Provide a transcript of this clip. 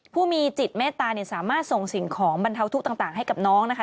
ผู้มีจิตเมตตาเนี่ยสามารถส่งสิ่งของบรรเทาทุกข์ต่างให้กับน้องนะคะ